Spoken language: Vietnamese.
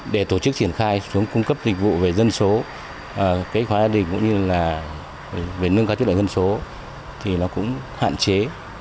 để tổ chức triển khai xuống cung cấp dịch vụ về dân số kế hoạch hóa gia đình cũng như là về nâng cao chức lợi ngân số thì nó cũng hạn chế